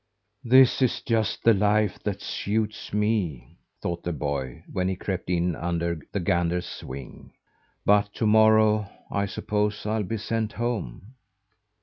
"This is just the life that suits me," thought the boy when he crept in under the gander's wing. "But to morrow, I suppose I'll be sent home."